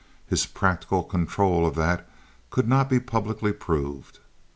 His practical control of that could not be publicly proved.